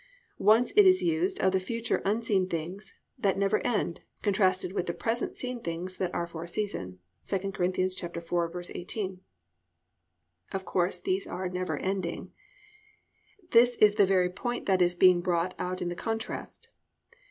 Once it is used of the future unseen things that never end, contrasted with the present seen things that are for a season (II Cor. 4:18). Of course, these are never ending. That is the very point that is being brought out in the contrast.